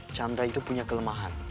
chandra itu punya kelemahan